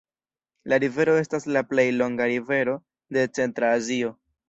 La rivero estas la plej longa rivero de Centra Azio.